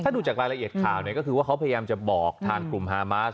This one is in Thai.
ถ้าดูจากรายละเอียดข่าวเนี่ยก็คือว่าเขาพยายามจะบอกทางกลุ่มฮามาส